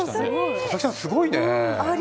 佐々木さん、すごいね。